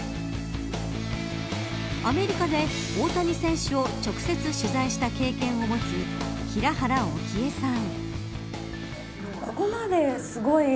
アメリカで大谷選手を直接取材した経験を持つ平原沖恵さん。